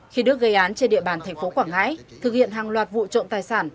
khi đức gây án trên địa bàn thành phố quảng ngãi thực hiện hàng loạt vụ trộm tài sản